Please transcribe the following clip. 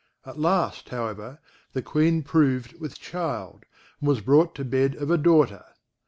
At last, however, the Queen proved with child, and was brought to bed of a daughter.